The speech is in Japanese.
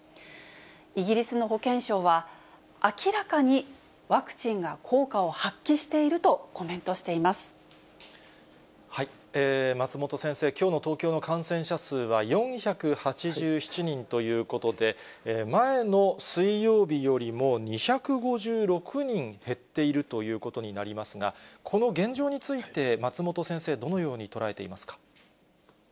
イギリスの保健相は、明らかにワクチンが効果を発揮しているとコ松本先生、きょうの東京の感染者数は４８７人ということで、前の水曜日よりも２５６人減っているということになりますが、この現状について、松本先生、どのように捉えていますか。